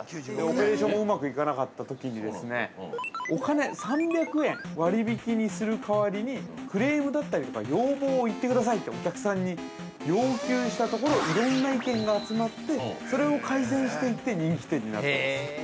オペレーションもうまくいかなかったときに、お金、３００円割引にする代わりに、クレームだったりとか要望を言ってくださいって、お客さんに要求したところ、いろんな意見が集まって、それを改善していって人気店になった。